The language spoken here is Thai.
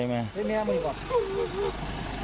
ไอ้แม่มีอะไรบอก